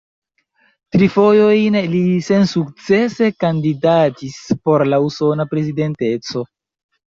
Tri fojojn li sensukcese kandidatis por la usona prezidenteco.